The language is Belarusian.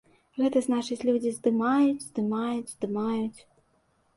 Гэта значыць, людзі здымаюць, здымаюць, здымаюць.